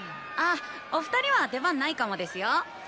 あっお二人は出番ないかもですよ。